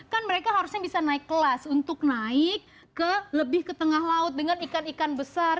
kan mereka harusnya bisa naik kelas untuk naik ke lebih ke tengah laut dengan ikan ikan besar